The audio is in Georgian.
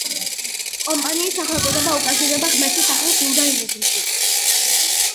კომპანიის სახელწოდება უკავშირდება ღმერთის სახელს იუდაიზმში.